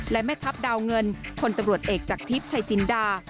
และแม่ทัพดาวเงินพลตำรวจเอกจากทิพย์ชัยจินดา